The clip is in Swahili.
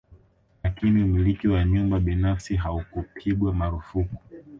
Lakini umiliki wa nyumba binafsi haukupigwa marufuku